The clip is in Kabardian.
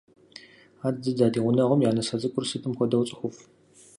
Адыдыд, а ди гъунэгъум я нысэ цӀыкӀур сытым хуэдэу цӀыхуфӏ.